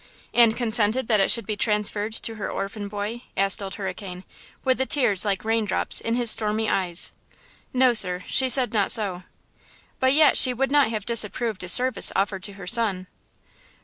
"And consented that it should be transferred to her orphan boy?" added Old Hurricane, with the tears like raindrops in his stormy eyes. "No, sir, she said not so." "But yet she would not have disapproved a service offered to her son."